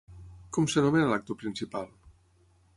Com s'anomena l'actor principal?